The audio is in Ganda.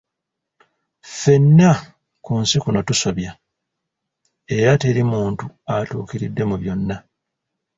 "Ffenna ku nsi kuno tusobya, era teri muntu atuukiridde mu byonna."